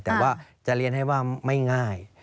แต่ว่าจะเรียนให้ว่าไม่ง่าย